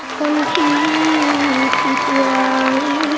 คนที่สุดยอม